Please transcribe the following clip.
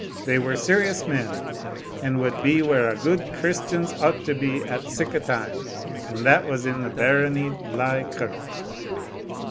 They were serious men, and wad be where a' gude Christians ought to be at sic a time, and that was in the Barony Laigh Kirk."